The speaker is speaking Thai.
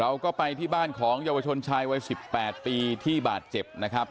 เราก็ไปที่บ้านของเยาวชนชายวัย๑๘ปีที่บาดเจ็บนะครับ